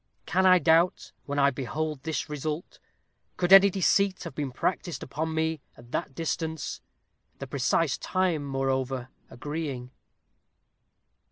Can I doubt, when I behold this result? Could any deceit have been practised upon me, at that distance? the precise time, moreover, agreeing.